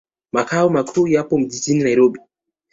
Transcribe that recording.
Makao makuu yapo jijini Nairobi.